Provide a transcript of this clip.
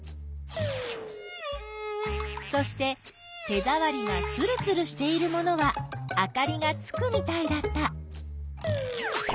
そして手ざわりがつるつるしているものはあかりがつくみたいだった。